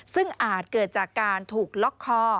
ซึ่งอาจเกิดจากการถูกล็อกคอ